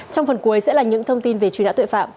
trong phần cuối sẽ là những thông tin về truy nã tội phạm